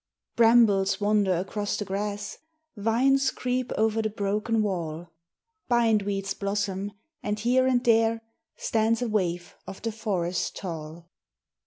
Brambles wander across the grass, Vines creep over the broken wall, Bindweeds blossom, and here and there Stands a waif of the forest tall.